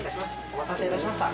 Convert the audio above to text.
お待たせ致しました。